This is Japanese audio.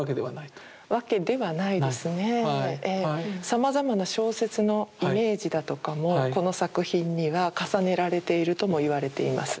さまざまな小説のイメージだとかもこの作品には重ねられているとも言われています。